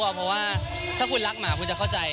เพราะว่าถ้าคุณรักหมาคุณจะเข้าใจ